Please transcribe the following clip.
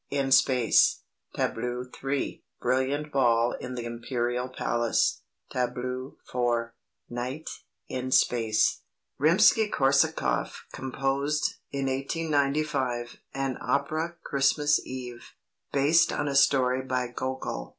IN SPACE TABLEAU 3. BRILLIANT BALL IN THE IMPERIAL PALACE TABLEAU 4. NIGHT, IN SPACE Rimsky Korsakoff composed, in 1895, an opera, "Christmas Eve," based on a story by Gogol.